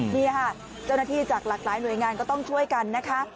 นี่ค่ะเจ้าหน้าที่จากหลากหลายหน่วยงานก็ต้องช่วยกันนะคะ